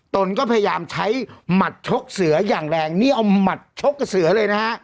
ตนก็พยายามใช้หมัดชกเสืออย่างแรงนี่เอาหมัดชกกับเสือเลยนะฮะ